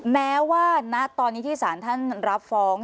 แม้ว่าณตอนนี้ที่สารท่านรับฟ้อง